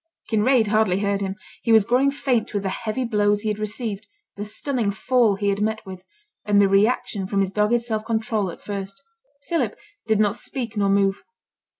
Kinraid hardly heard him. He was growing faint with the heavy blows he had received, the stunning fall he had met with, and the reaction from his dogged self control at first. Philip did not speak nor move.